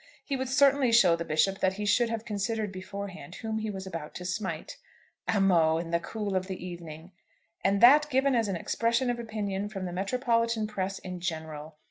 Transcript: He would certainly show the Bishop that he should have considered beforehand whom he was about to smite. "'Amo' in the cool of the evening!" And that given as an expression of opinion from the metropolitan press in general!